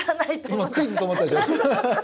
今クイズと思ったでしょ。